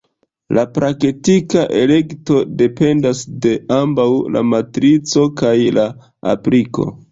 La praktika elekto dependas de ambaŭ la matrico kaj la apliko.